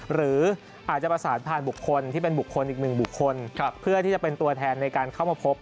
หรืออาจจะประสานผ่านบุคคลที่เป็นบุคคลอีกหนึ่งบุคคลเพื่อที่จะเป็นตัวแทนในการเข้ามาพบ